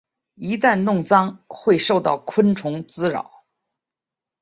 一旦弄脏会受到昆虫滋扰。